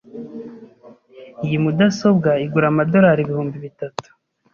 Iyi mudasobwa igura amadorari ibihumbi bitatu.